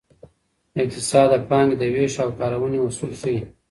اقتصاد د پانګې د ویش او کارونې اصول ښيي.